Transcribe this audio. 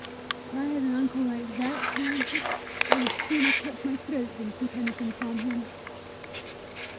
"If I had an uncle like that," he answered, "I would sooner cut my throat than keep anything from him!"